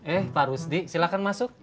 eh pak rusdi silahkan masuk